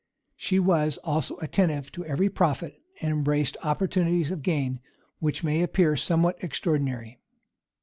[*] She was also attentive to every profit, and embraced opportunities of gain which may appear somewhat extraordinary.